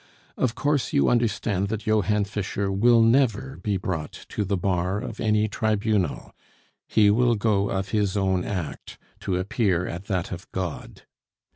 Of course, you understand that Johann Fischer will never be brought to the bar of any tribunal; he will go of his own act to appear at that of God.